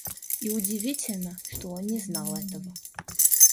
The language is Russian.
И удивительно, что он не знал этого.